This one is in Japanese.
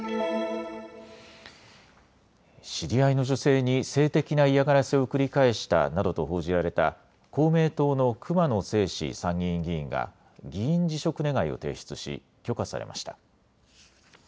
知り合いの女性に性的な嫌がらせを繰り返したなどと報じられた公明党の熊野正士参議院議員が議員辞職願を提出し許可されました。